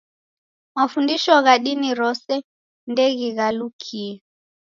Mafundisho gha dini rose ndeghighalukie.